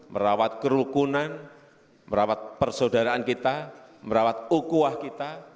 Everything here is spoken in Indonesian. merawat kerukunan merawat persaudaraan kita merawat ukuah kita